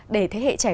để thế hệ trẻ